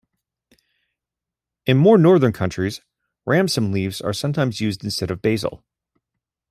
In more northern countries, ramson leaves are sometimes used instead of basil.